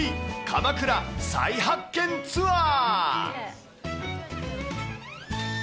鎌倉再発見ツアー。